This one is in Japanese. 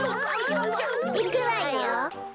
いくわよ。